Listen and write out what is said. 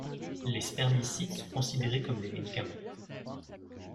Les spermicides sont considérés comme des médicaments.